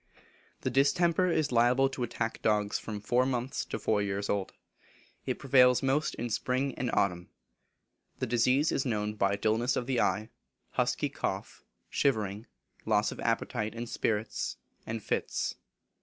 The distemper is liable to attack dogs from four months to four years old. It prevails most in spring and autumn. The disease is known by dulness of the eye, husky cough, shivering, loss of appetite and spirits, and fits.